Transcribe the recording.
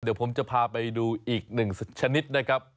เดี๋ยวผมจะพาไปดูอีกหนึ่งชนิดนะครับ